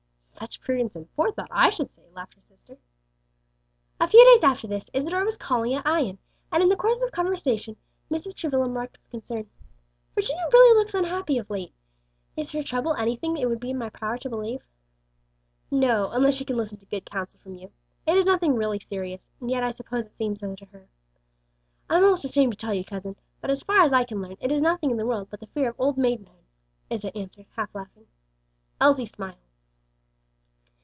"Such prudence and forethought, I should say," laughed her sister. A few days after this Isadore was calling at Ion and in the course of conversation Mrs. Travilla remarked, with concern, "Virginia looks really unhappy of late. Is her trouble anything it would be in my power to relieve?" "No; unless she would listen to good counsel from you. It is really nothing serious; and yet I suppose it seems so to her. I'm almost ashamed to tell you, cousin, but as far as I can learn it is nothing in the world but the fear of old maidenhood," Isa answered, half laughing. Elsie smiled.